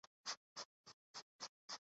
پر ہجوم تقریبات پسند نہیں کرتا